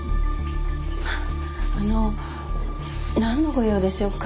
あのなんのご用でしょうか？